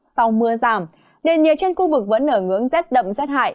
sau mưa giảm nền nhiệt trên khu vực vẫn ở ngưỡng rét đậm rét hại